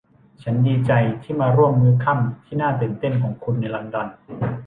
ฉันดีใจที่มาร่วมมื้อค่ำที่น่าตื่นเต้นของคุณในลอนดอน